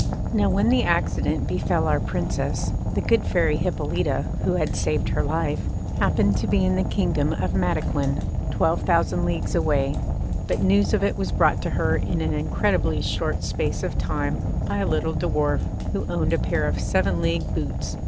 Now when the accident befell our Princess the good Fairy Hippolyta, who had saved her life, happened to be in the Kingdom of Mataquin, twelve thousand leagues away; but news of it was brought to her in an incredibly short space of time by a little dwarf who owned a pair of seven league boots.